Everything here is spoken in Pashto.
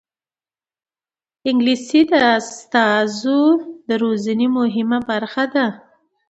انګلیسي د استازو د روزنې مهمه برخه ده